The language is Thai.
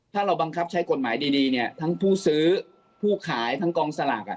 ถ้าเราบังคับใช้กฎหมายดีเนี่ยทั้งผู้ซื้อผู้ขายทั้งกองสลาก